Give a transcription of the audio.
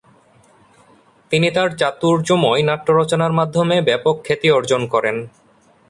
তিনি তার চাতুর্যময় নাট্যরচনার মাধ্যমে ব্যাপক খ্যাতি অর্জন করেন।